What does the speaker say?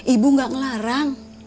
ibu tidak melarang